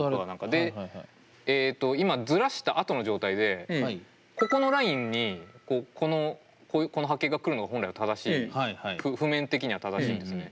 でえと今ズラしたあとの状態でここのラインにこの波形が来るのが本来は正しい譜面的には正しいんですね。